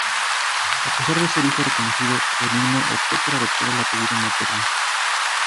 A pesar de ser hijo reconocido, Benigno optó por adoptar el apellido materno.